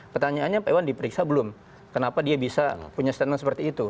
pertanyaannya pak iwan diperiksa belum kenapa dia bisa punya statement seperti itu